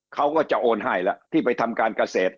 เขาก็จะโอนให้แล้วที่ไปทำการเกษตร